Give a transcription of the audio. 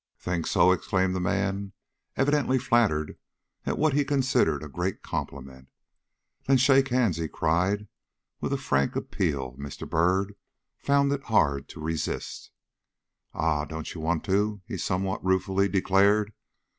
"Think so?" exclaimed the man, evidently flattered at what he considered a great compliment. "Then shake hands," he cried, with a frank appeal Mr. Byrd found it hard to resist. "Ah, you don't want to," he somewhat ruefully declared.